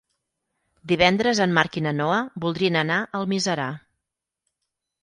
Divendres en Marc i na Noa voldrien anar a Almiserà.